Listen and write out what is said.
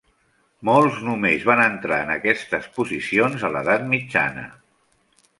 Molts només van entrar en aquestes posicions a l'Edat Mitjana.